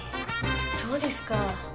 そうですか。